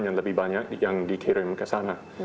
yang lebih banyak yang dikirim ke sana